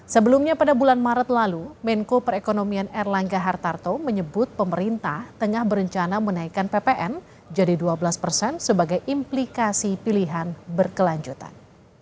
sebelumnya pada bulan maret lalu menko perekonomian erlangga hartarto menyebut pemerintah tengah berencana menaikkan ppn jadi dua belas persen sebagai implikasi pilihan berkelanjutan